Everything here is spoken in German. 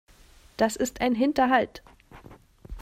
Das ist ein Hinterhalt.